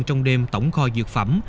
trong đêm tổng kho dược phẩm